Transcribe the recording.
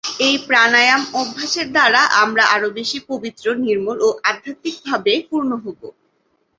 এই প্রাণায়াম-অভ্যাসের দ্বারা আমরা আরও বেশী পবিত্র, নির্মল ও আধ্যাত্মিকভাবে পূর্ণ হবো।